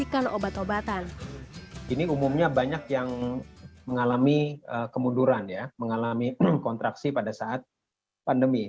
ini umumnya banyak yang mengalami kemunduran ya mengalami kontraksi pada saat pandemi